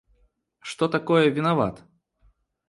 Что такое виноват?